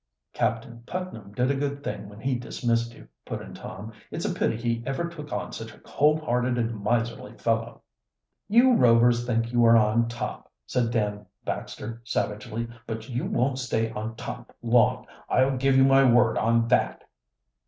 "Captain Putnam did a good thing when he dismissed you," put in Tom. "It's a pity he ever took on such a cold hearted and miserly fellow." "You Rovers think you are on top," said Dan Baxter savagely. "But you won't stay on top long, I'll give you my word on that."